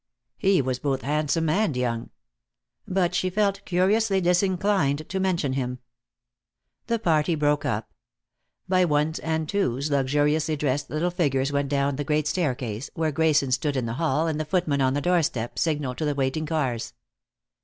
He was both handsome and young. But she felt curiously disinclined to mention him. The party broke up. By ones and twos luxuriously dressed little figures went down the great staircase, where Grayson stood in the hall and the footman on the doorstep signaled to the waiting cars.